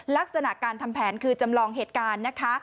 ลักษณะการทำแผนคือจำลองเหตุการณ์นะคะ